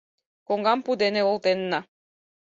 Коҥгам пу дене олтенна.